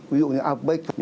ví dụ như outback